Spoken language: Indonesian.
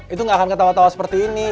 itu gak akan ketawa tawa seperti ini